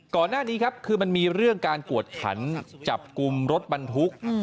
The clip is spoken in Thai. ก่อนหน้านี้ครับคือมันมีเรื่องการกวดขันจับกลุ่มรถบรรทุก